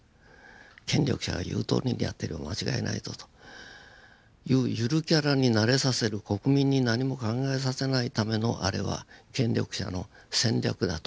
権力者が言うとおりにやってれば間違いないぞというゆるキャラに慣れさせる国民に何も考えさせないためのあれは権力者の戦略だと。